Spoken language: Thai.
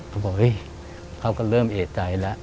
เขาบอกเฮ้ยเขาก็เริ่มเอกใจแล้ว